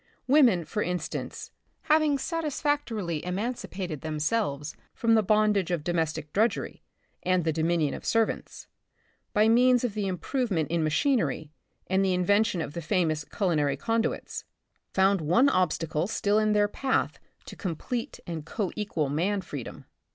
Women, for instance, having satisfactorily emancipated themselves from the bondage of domestic drudgery and the dominion of ser vants, by means of the improvement in machin ery and the invention of the famous culinary conduits, found one obstacle still in their path The Republic of the Future, 39 to complete and co equal man freedom.